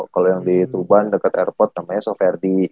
kalau yang di tuban dekat airport namanya soferdi